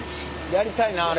やりたいなあれ。